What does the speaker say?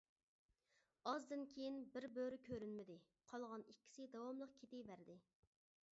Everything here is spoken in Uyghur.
ئازدىن كېيىن، بىر بۆرە كۆرۈنمىدى، قالغان ئىككىسى داۋاملىق كېتىۋەردى.